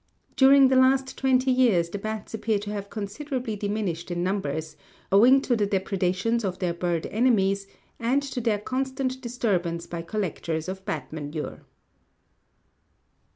During the last twenty years the bats appear to have considerably diminished in numbers, owing to the depredations of their bird enemies and to their constant disturbance by collectors of bat manure.